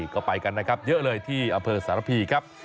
ก็ไปกันนะครับเยอะเลยที่อำเภอสารพีครับ